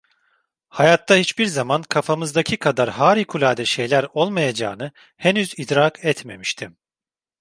Hayatta hiçbir zaman kafamızdaki kadar harikulade şeyler olmayacağını henüz idrak etmemiştim.